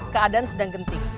keadaan sedang genting